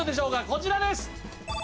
こちらです。